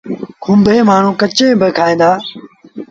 کونڀيٚ مآڻهوٚݩ ڪچيٚ با کائيٚݩ دآ۔